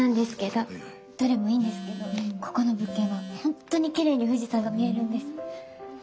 どれもいいんですけどここの物件は本当にきれいに富士山が見えるんです。